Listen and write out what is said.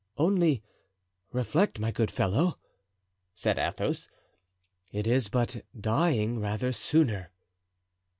"Only reflect, my good fellow," said Athos, "it is but dying rather sooner."